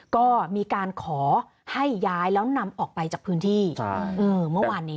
ก็มีการขอให้ย้ายแล้วนำออกไปจากพื้นที่เมื่อวานนี้